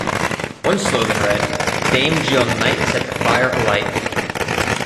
One slogan read: Dame Jill Knight Set The Fire Alight!